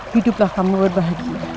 hiduplah kamu berbahaya